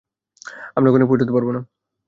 আমরা ওখানে পৌঁছাতে পারবো না।